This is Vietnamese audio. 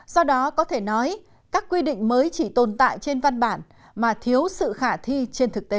do đó có thể nói các quy định mới chỉ tồn tại trên văn bản mà thiếu sự khả thi trên thực tế